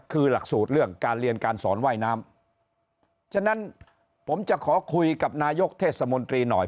คือหลักสูตรเรื่องการเรียนการสอนว่ายน้ำฉะนั้นผมจะขอคุยกับนายกเทศมนตรีหน่อย